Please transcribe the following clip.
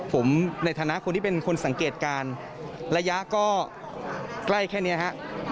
ผมในฐานะคนที่เป็นคนสังเกตการณ์ระยะก็ใกล้แค่นี้ฮะ